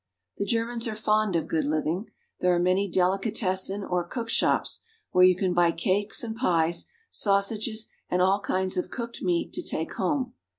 The Germans are fond of good living. There are many delicatessen or cook shops, where you can buy cakes and pies, sausages, and all kinds of cooked meat to take home.